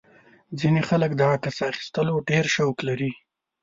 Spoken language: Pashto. ځینې خلک د عکس اخیستلو ډېر شوق لري.